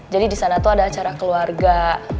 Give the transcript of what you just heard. jadi di sana tuh ada acara keluarga